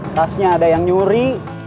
tasnya ada yang nyuri